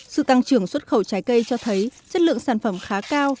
sự tăng trưởng xuất khẩu trái cây cho thấy chất lượng sản phẩm khá cao